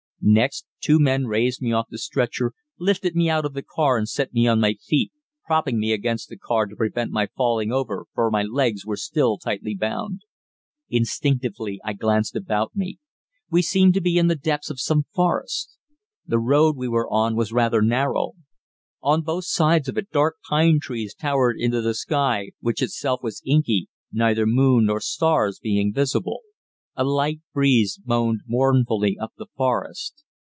Next, two men raised me off the stretcher, lifted me out of the car and set me on my feet, propping me against the car to prevent my falling over, for my legs were still tightly bound. Instinctively I glanced about me. We seemed to be in the depths of some forest. The road we were on was rather narrow. On both sides of it dark pine trees towered into the sky, which itself was inky, neither moon nor stars being visible. A light breeze moaned mournfully up the forest.